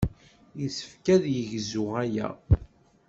Yessefk ad yegzu aya.